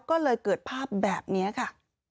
ก็เลยเกิดภาพแบบนี้ค่ะ